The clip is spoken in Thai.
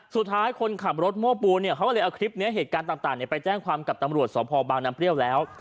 สุดท้ายคนขับรถ๕๕ครับอย่างออกทริปเนี่ยเหตุการณ์ต่างไปแจ้งความกับตำรวจสระพอบางน้ำเปรี้ยวแล้ว